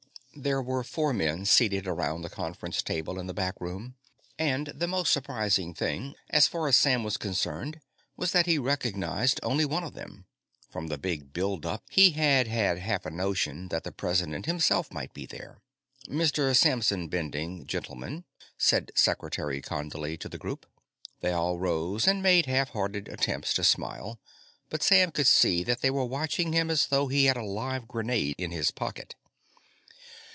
There were four men seated around the conference table in the back room, and the most surprising thing, as far as Sam was concerned, was that he recognized only one of them. From the big buildup, he had had half a notion that the President himself might be there. "Mr. Samson Bending, gentlemen," said Secretary Condley to the group. They all rose and made half hearted attempts to smile, but Sam could see that they were watching him as though he had a live grenade in his pocket.